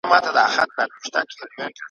پر شهباز به یې یوه نیمه غزل وي `